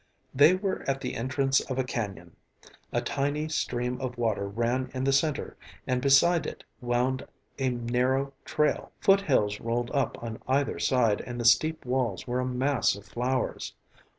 They were at the entrance of a canyon. A tiny stream of water ran in the center and beside it wound a narrow trail. Foothills rolled up on either side and the steep walls were a mass of flowers.